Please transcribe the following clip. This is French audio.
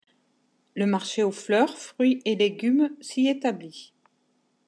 Le marché aux fleurs, fruits et légumes s'y établit.